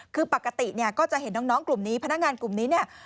คือปกติเนี่ยก็จะเห็นน้องกลุ่มนี้พนักงานกลุ่มนี้เนี่ย